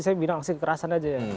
saya bilang aksi kekerasan aja ya